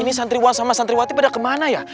ini santriwa sama santriwati pada kemana ya